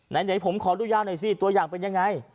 ไหนผมขอดูยาวหน่อยสิตัวอย่างเป็นยังไง